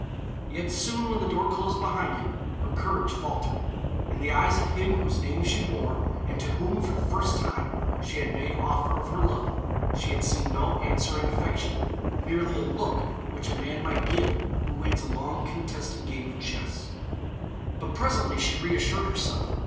Yet soon, when the door closed behind him, her courage faltered. In the eyes of him whose name she bore and to whom for the first time she had made offer of her love, she had seen no answering affection merely a look which a man might give who wins a long contested game of chess. But presently she reassured herself.